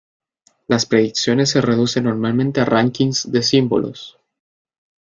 Las predicciones se reducen normalmente a rankings de símbolos.